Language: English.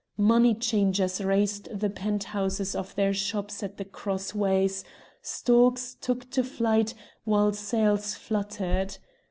Money changers raised the pent houses of their shops at the cross ways, storks took to flight, white sails fluttered.